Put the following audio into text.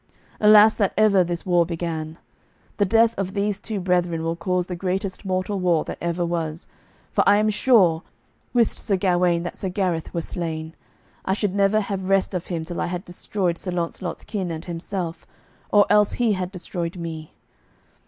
Alas that ever this war began. The death of these two brethren will cause the greatest mortal war that ever was, for I am sure, wist Sir Gawaine that Sir Gareth were slain, I should never have rest of him till I had destroyed Sir Launcelot's kin and himself, or else he had destroyed me.